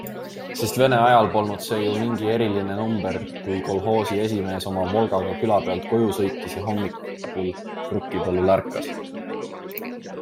Sest vene ajal polnud see ju mingi eriline number, kui kolhoosi esimees oma Volgaga külapeolt koju sõitis ja hommikul rukkipõllul ärkas.